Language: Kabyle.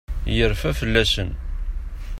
Yerfa fell-asen.